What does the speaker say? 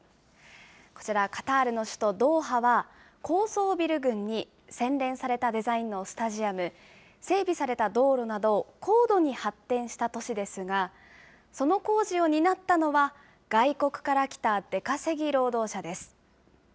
こちら、カタールの首都ドーハは、高層ビル群に洗練されたデザインのスタジアム、整備された道路など、高度に発展した都市ですが、その工事を担ったのは、外国から来た出稼ぎ労働者です。